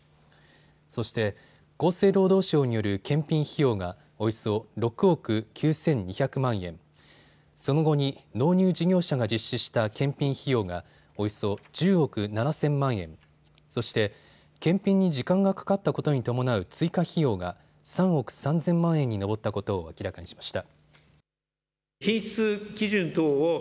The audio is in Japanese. そして厚生労働省による検品費用がおよそ６億９２００万円、その後に納入事業者が実施した検品費用がおよそ１０億７０００万円、そして検品に時間がかかったことに伴う追加費用が３億３０００万円に上ったことを明らかにしました。